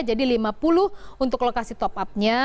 jadi lima puluh untuk lokasi top upnya